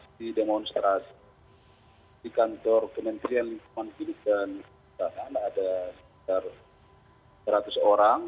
di demonstrasi di kantor kementerian keamanan kedut dan ada sekitar seratus orang